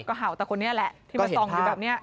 ก็เห่าแต่คนนี้แหละที่มาส่องอยู่แบบนี้